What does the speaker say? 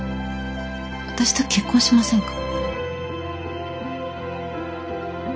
私と結婚しませんか。